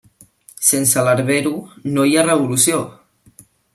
Sense l'herbero… no hi ha revolució!